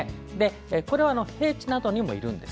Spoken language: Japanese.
これは平地などにもいるんです。